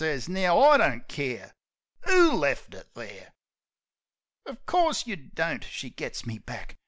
"Now, I don't care 'Ooleft it there!" "Uv course you don't!" she gits me back.